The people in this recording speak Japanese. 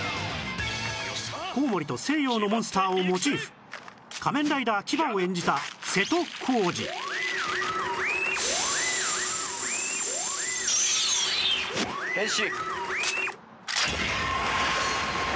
コウモリと西洋のモンスターをモチーフ仮面ライダーキバを演じた瀬戸康史変身。